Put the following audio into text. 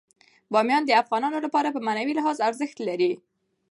بامیان د افغانانو لپاره په معنوي لحاظ ارزښت لري.